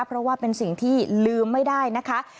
เพราะว่าเป็นสิ่งที่ลืมไม่ได้นะคะ